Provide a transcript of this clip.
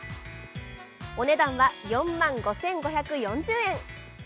お値段は４万５５４０円。